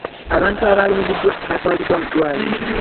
Abantu abaalumiziddwa baatwaliddwa mu ddwaliro.